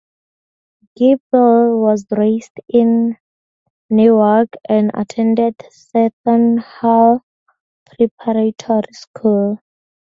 Giblin was raised in Newark and attended Seton Hall Preparatory School.